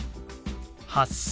８０００。